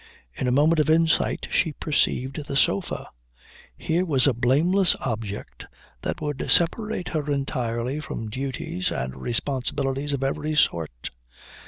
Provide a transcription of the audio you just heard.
In a moment of insight she perceived the sofa. Here was a blameless object that would separate her entirely from duties and responsibilities of every sort.